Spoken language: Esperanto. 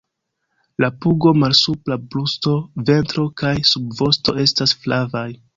La pugo, malsupra brusto, ventro kaj subvosto estas flavaj.